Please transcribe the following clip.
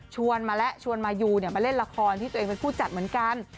มาแล้วชวนมายูมาเล่นละครที่ตัวเองเป็นผู้จัดเหมือนกัน